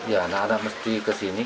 ya anak anak mesti kesini